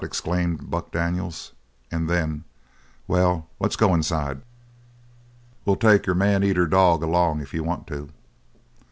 exclaimed Buck Daniels. And then: "Well, let's go inside. We'll take your man eater along, if you want to."